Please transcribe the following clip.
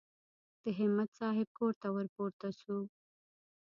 د همت صاحب کور ته ور پورته شوو.